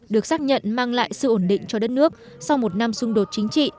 được xác nhận mang lại sự ổn định cho đất nước sau một năm xung đột chính trị